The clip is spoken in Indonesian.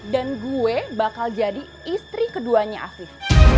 dan gue bakal jadi istri keduanya afif